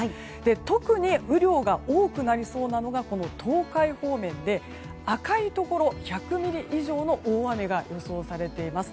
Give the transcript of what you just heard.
特に雨量が多くなりそうなのが東海方面で赤いところ、１００ミリ以上の大雨が予想されています。